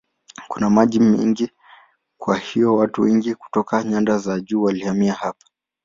Kuna maji mengi kwa hiyo watu wengi kutoka nyanda za juu walihamia hapa.